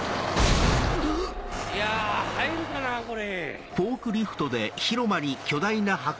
いや入るかなこれ。